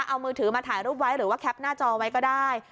เอามือถือมาถ่ายรูปไว้หรือว่าแคปหน้าจอไว้ก็ได้